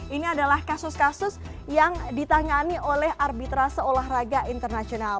ini adalah kasus kasus yang ditangani oleh arbitrase olahraga internasional